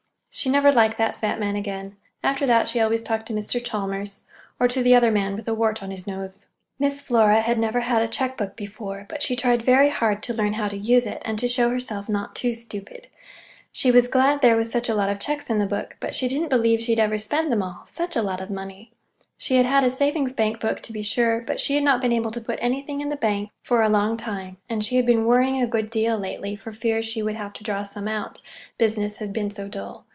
She never liked that fat man again. After that she always talked to Mr. Chalmers, or to the other man with a wart on his nose. Miss Flora had never had a check book before, but she tried very hard to learn how to use it, and to show herself not too stupid. She was glad there were such a lot of checks in the book, but she didn't believe she'd ever spend them all—such a lot of money! She had had a savings bank book, to be sure, but she not been able to put anything in the bank for a long time, and she had been worrying a good deal lately for fear she would have to draw some out, business had been so dull.